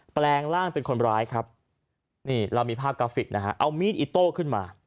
แปลงร่างเป็นคนร้ายครับนี่เรามีภาพกราฟิกนะฮะเอามีดอิโต้ขึ้นมา